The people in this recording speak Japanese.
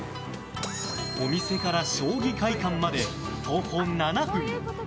お店から将棋会館まで徒歩７分。